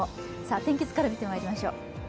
天気図から見てまいりましょう。